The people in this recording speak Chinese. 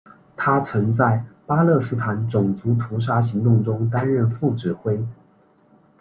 他曾在巴勒斯坦种族屠杀行动中担任副指挥。